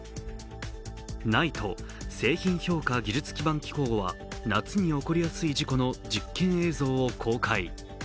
ＮＩＴＥ＝製品評価技術基盤機構は夏に起こりやすい事故の実験映像を公開。